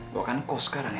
bukan kau sekarang ya